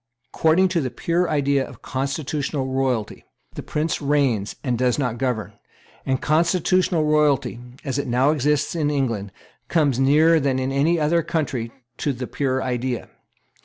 According to the pure idea of constitutional royalty, the prince reigns and does not govern; and constitutional royalty, as it now exists in England, comes nearer than in any other country to the pure idea.